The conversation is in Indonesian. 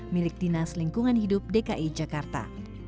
milik dinas lingkungan hidup dki jakarta